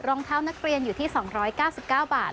รองเท้านักเรียนอยู่ที่๒๙๙บาท